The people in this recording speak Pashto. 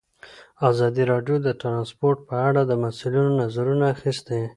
ازادي راډیو د ترانسپورټ په اړه د مسؤلینو نظرونه اخیستي.